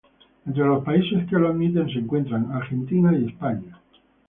Entre los países que lo admiten se encuentran Argentina y España.